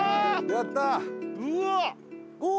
やったー！